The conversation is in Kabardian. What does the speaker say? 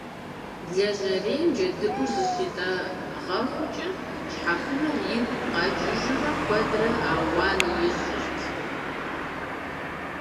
Лэжьэрейм джэдыгур зыщитӀэгъэхукӀэ щхьэхынэр игу къэкӀыжурэ куэдрэ ауан ищӀырт.